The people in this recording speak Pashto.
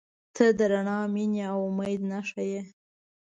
• ته د رڼا، مینې، او امید نښه یې.